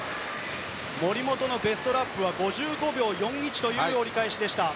森本のベストラップは５５秒４１という折り返しでした。